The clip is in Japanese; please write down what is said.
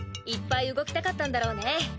いっぱい動きたかったんだろうね。